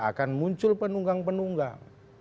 akan muncul penunggang penunggang